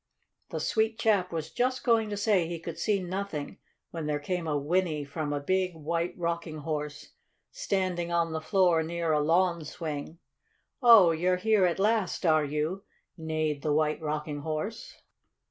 The sweet chap was just going to say he could see nothing, when there came a whinny from a big White Rocking Horse standing on the floor near a lawn swing. "Oh, you're here at last, are you?" neighed the White Rocking Horse.